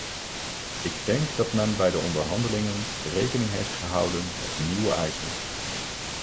Ik denk dat men bij de onderhandelingen rekening heeft gehouden met nieuwe eisen.